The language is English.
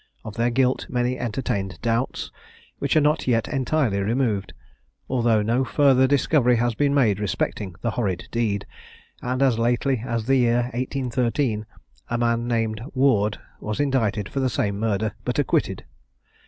Of their guilt many entertained doubts, which are not yet entirely removed, although no further discovery has been made respecting the horrid deed; and as lately as the year 1813, a man named Ward was indicted for the same murder, but acquitted.